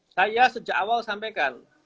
saya sejak awal sampaikan